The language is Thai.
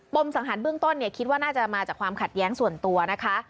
มสังหารเบื้องต้นเนี่ยคิดว่าน่าจะมาจากความขัดแย้งส่วนตัวนะคะ